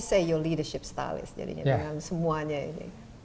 stylist leadership anda dengan semuanya ini